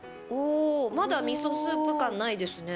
まだみそスープ感ないですね。